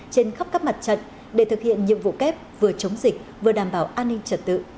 trên khắp các mặt trận để thực hiện nhiệm vụ kép vừa chống dịch vừa đảm bảo an ninh trật tự